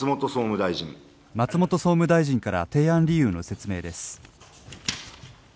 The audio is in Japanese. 松本総務大臣から提案理由の説明です。